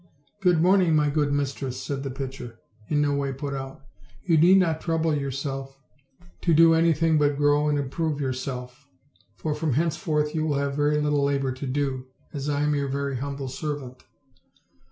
"Good morning, my good mistress," said the pitcher, in no way put out. "You need not trouble yourself to do anything but grow and improve yourself; for from hence forth you will have very little labor to do, as I am your very humble servant."